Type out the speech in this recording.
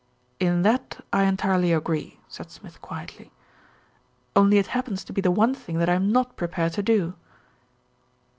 "In that I entirely agree," said Smith quietly, "only it happens to be the one thing that I am not prepared to do."